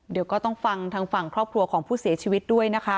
เดี๋ยวก็ต้องฟังทางฝั่งครอบครัวของผู้เสียชีวิตด้วยนะคะ